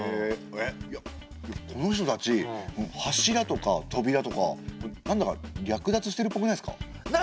えっいやこの人たち柱とかとびらとかなんだか略奪してるっぽくないですか？